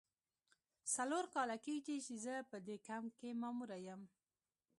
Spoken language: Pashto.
څلور کاله کیږي چې زه په دې کمپ کې ماموره یم.